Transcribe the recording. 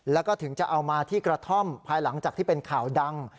แล้วก็ถึงจะเอามาที่กระท่อมภายหลังจากที่เป็นข่าวดัง